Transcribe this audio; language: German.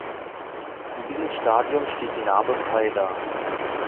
In diesem Stadium steht die Narbe frei da.